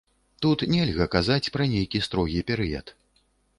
Тут нельга казаць пра нейкі строгі перыяд.